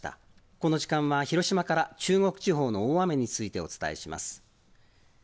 この時間は、広島から中国地方の大雨についてお伝えします。